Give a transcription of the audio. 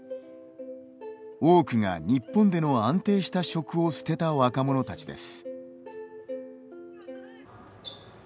多くが、日本での安定した職を捨てた若者たちです。